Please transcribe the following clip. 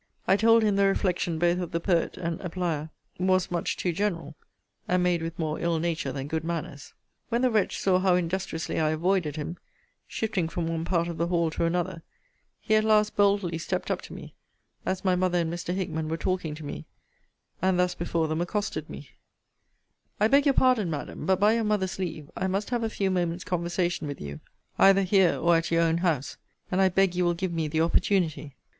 I told him the reflection both of the poet and applier was much too general, and made with more ill nature than good manners. When the wretch saw how industriously I avoided him, (shifting from one part of the hall to another,) he at last boldly stept up to me, as my mother and Mr. Hickman were talking to me; and thus before them accosted me: I beg your pardon, Madam; but by your mother's leave, I must have a few moments' conversation with you, either here, or at your own house; and I beg you will give me the opportunity.